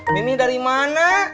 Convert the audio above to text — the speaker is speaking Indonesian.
mimi dari mana